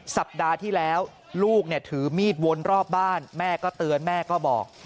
สัปดาห์ที่แล้วลูกถือมีดวนรอบบ้านแม่ก็เตือนแม่ก็บอก